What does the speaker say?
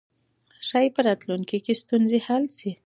ښايي په راتلونکي کې ستونزې حل شي.